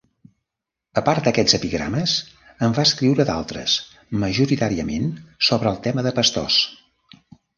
A part d'aquests epigrames en va escriure d'altres majoritàriament sobre el tema de pastors.